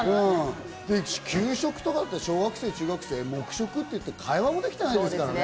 給食とかだって小学生中学生黙食っていって会話もできてないんですからね。